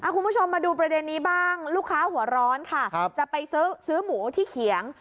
คุณผู้ชมมาดูประเด็นนี้บ้างลูกค้าหัวร้อนค่ะจะไปซื้อหมูที่เขียง